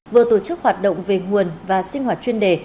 vừa tổ chức hoạt động về nguồn và sinh hoạt chuyên đề